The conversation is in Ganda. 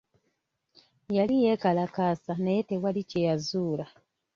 Yali yeekalakaasa naye tewali kye yazuula.